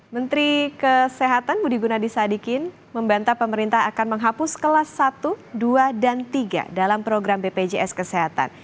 menteri kesehatan budi gunadisadikin membantah pemerintah akan menghapus kelas satu dua dan tiga dalam program bpjs kesehatan